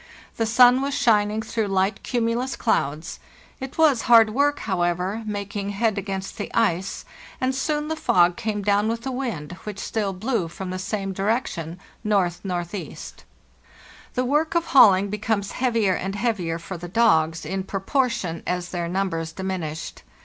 The sun was shining through light cumulus clouds. It was hard work, however, making head against the ice, and soon the fog came down with the wind, which still blew from the same direction (N.N.E.). " The work of hauling becomes heavier and heavier for the dogs, in proportion as their numbers diminished.